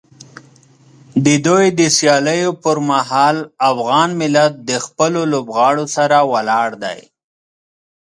د دوی د سیالیو پر مهال افغان ملت د خپلو لوبغاړو سره ولاړ دی.